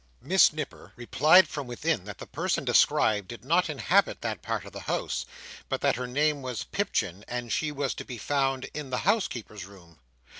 Miss Nipper replied from within that the person described did not inhabit that part of the house, but that her name was Pipchin, and she was to be found in the housekeeper's room.